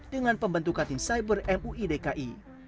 dengan pembentukan tim cyber muidki